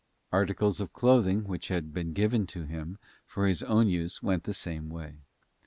Articles of clothing which had been given to him for his own use went the same way.